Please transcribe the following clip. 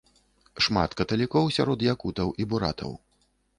Шмат каталікоў сярод якутаў і буратаў.